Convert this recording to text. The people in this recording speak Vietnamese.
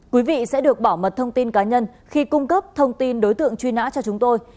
quý vị sẽ được bảo mật thông tin cá nhân khi cung cấp thông tin đối tượng truy nã cho chúng tôi